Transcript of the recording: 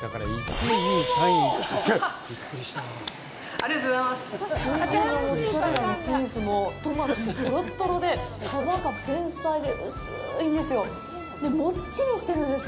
ありがとうございます水牛のモッツァレラのチーズもトマトもとろっとろででもっちりしてるんです